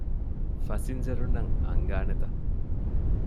ފަސިންޖަރުންނަށް އަންގާނެތަ؟